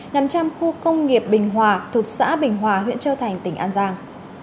nằm trong khu công nghiệp bình hòa thuộc xã bình hòa huyện châu thành tỉnh an giang